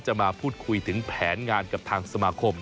มาพูดคุยถึงแผนงานกับทางสมาคม